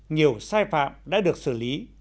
nhiều sai phạm đã được xử lý